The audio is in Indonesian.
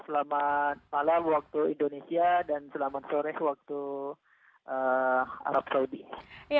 selamat malam waktu indonesia dan selamat sore waktu arab saudi